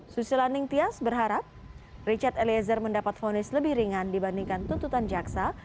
susila ningtyas berharap richard elezer mendapat fonis lebih ringan dibandingkan tuntutan jaksa